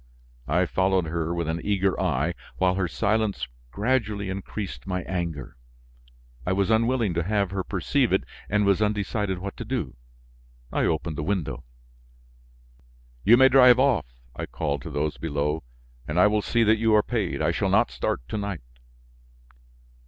I followed her with an eager eye, while her silence gradually increased my anger. I was unwilling to have her perceive it and was undecided what to do. I opened the window. "You may drive off," I called to those below, "and I will see that you are paid. I shall not start to night."